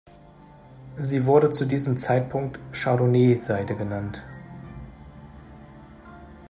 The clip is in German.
Sie wurde zu diesem Zeitpunkt „Chardonnet-Seide“ genannt.